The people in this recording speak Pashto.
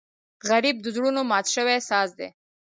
غریب د زړونو مات شوی ساز دی